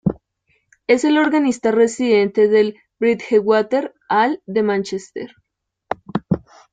Es el organista residente del Bridgewater Hall de Manchester.